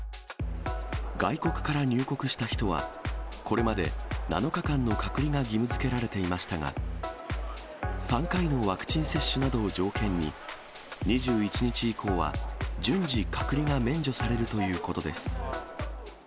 外国から入国した人は、これまで７日間の隔離が義務づけられていましたが、３回のワクチン接種などを条件に、２１日以降は、順次、隔離が免除されるということです。